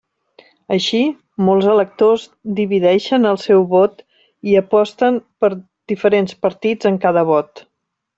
Així, molts electors divideixen el seu vot i aposten per diferents partits en cada vot.